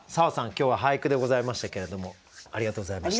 今日は俳句でございましたけれどもありがとうございました。